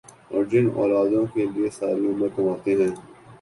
اور جن اولادوں کے لیئے ساری عمر کماتے ہیں